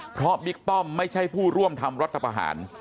เพราะบิ๊กป้อมไม่ใช่ผู้ร่วมทำรัฐประหาร